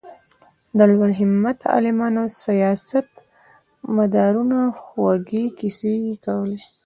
د لوړ همته عالمانو او سیاست مدارانو خوږې کیسې یې کولې.